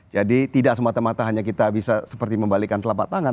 jadi tidak semata mata hanya kita bisa seperti membalikkan telapak tangan